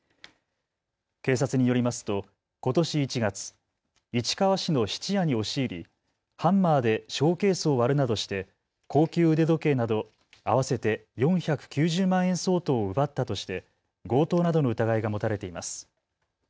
警察によりますとことし１月、市川市の質屋に押し入りハンマーでショーケースを割るなどして高級腕時計など合わせて４９０万円相当を奪ったとして強盗などの疑いが持たれています。